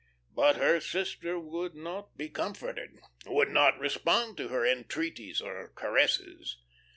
But her sister would not be comforted, would not respond to her entreaties or caresses.